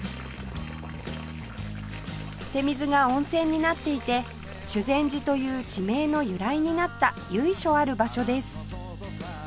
手水が温泉になっていて修善寺という地名の由来になった由緒ある場所です